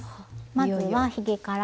まずはひげから。